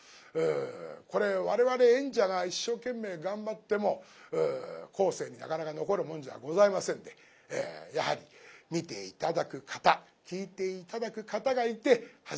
これ我々演者が一生懸命頑張っても後世になかなか残るもんじゃございませんでやはり見て頂く方聴いて頂く方がいて初めて成り立つ古典芸能です。